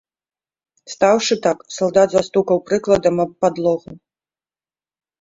Стаўшы так, салдат застукаў прыкладам аб падлогу.